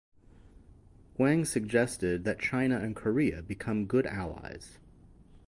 Huang suggested that China and Korea become good allies.